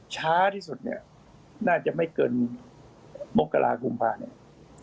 ช้าที่สุดเนี่ยน่าจะไม่เกินมกรากุมภาเนี่ย